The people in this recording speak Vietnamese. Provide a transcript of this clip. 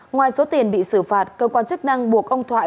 ngoài số tiền bị xử phạt cơ quan chức năng buộc ông thoại